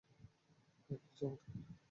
বাহ, কী চমৎকার!